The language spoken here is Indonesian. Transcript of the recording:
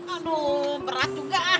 aduh berat juga